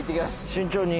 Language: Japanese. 慎重に。